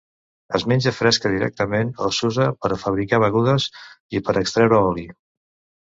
Es menja fresca directament o s'usa per a fabricar begudes i per a extreure oli.